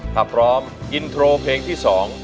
ถ้าพร้อมอินโทรเพลงที่๒